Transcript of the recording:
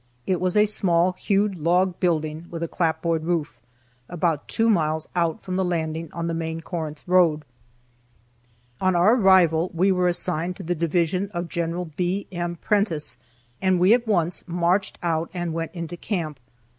It was a small, hewed log building with a clapboard roof, about two miles out from the landing on the main Corinth road. On our arrival we were assigned to the division of General B. M. Prentiss, and we at once marched out and went into camp.